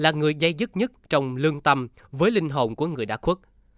là người dây dứt nhất trong lương tâm với linh hồn của người đã khuất